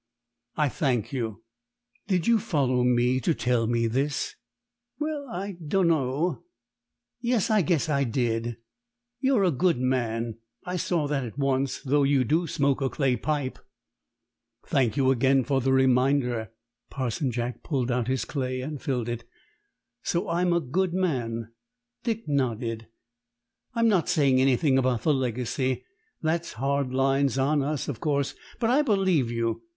"I thank you. Did you follow me to tell me this?" "Well, I dunno. Yes, I guess I did. You're a white man; I saw that at once, though you do smoke a clay pipe." "Thank you again for the reminder." Parson Jack pulled out his clay and filled it. "So I'm a white man?" Dick nodded. "I'm not saying anything about the legacy. That's hard lines on us, of course; but I believe you.